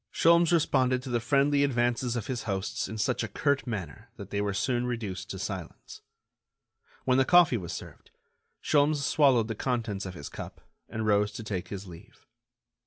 Sholmes responded to the friendly advances of his hosts in such a curt manner that they were soon reduced to silence. When the coffee was served, Sholmes swallowed the contents of his cup, and rose to take his leave.